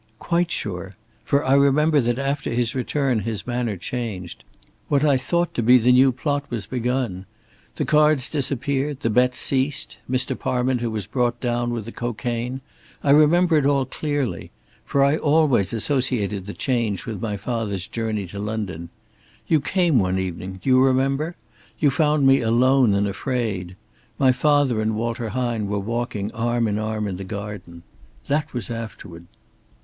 "Quite sure. For I remember that after his return his manner changed. What I thought to be the new plot was begun. The cards disappeared, the bets ceased, Mr. Parminter was brought down with the cocaine. I remember it all clearly. For I always associated the change with my father's journey to London. You came one evening do you remember? You found me alone and afraid. My father and Walter Hine were walking arm in arm in the garden. That was afterward."